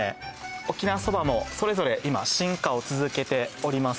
沖縄そばもそれぞれ今進化を続けております